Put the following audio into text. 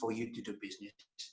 untuk anda melakukan bisnis